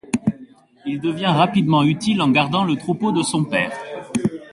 Il devient rapidement utile en gardant le troupeau de son père.